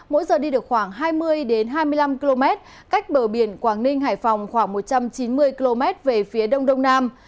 mỗi giờ đi được khoảng hai mươi hai mươi năm km cách bờ biển quảng ninh hải phòng khoảng một trăm chín mươi km về phía đông đông nam